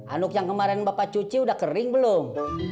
anug yang kemarin bapak cuci udah kering belum